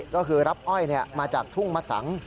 ก็คือรับอ้อยมาจากทุ่งมะสัง